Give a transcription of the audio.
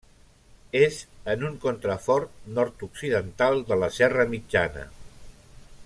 És en un contrafort nord-occidental de la Serra Mitjana.